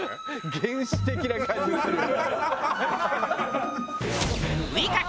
原始的な感じするよね。